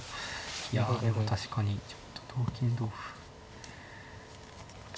いや確かにちょっと同金同歩。